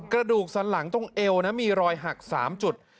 กระดูกสันหลังตรงเอวนะมีรอยหัก๓จุด